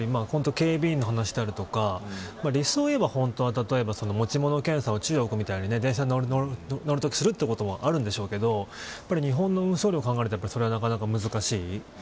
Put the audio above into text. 警備員の話であるとか理想をいえば本当は、持ち物検査みたいなもの中国みたいに、電車に乗るときにするということもあるんでしょうけれど日本の運送量を考えるとそれは、なかなか難しい。